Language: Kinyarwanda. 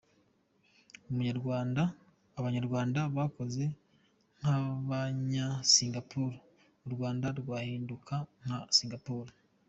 Abanyarwanda bakoze nk’Abanyasingapore, u Rwanda rwahinduka nka Singapore .